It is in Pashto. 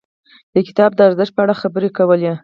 د کتاب د ارزښت په اړه خبرې کول.